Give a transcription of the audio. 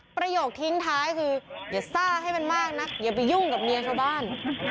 ประโยคทิ้งท้ายคืออย่าซ่าให้มันมากนะอย่าไปยุ่งกับเมียชาวบ้าน